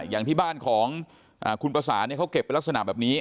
อย่างที่บ้านของคุณประสานเขาเก็บเป็นลักษณะแบบนี้